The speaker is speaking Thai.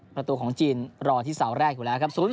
ประตูของจีนรอที่เสาแรกอยู่แล้วครับ